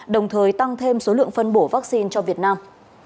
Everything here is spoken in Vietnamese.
đồng thời tăng thêm số lượng phân bổ vaccine cho việt nam